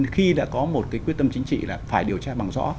khi đã có một cái quyết tâm chính trị là phải điều tra bằng rõ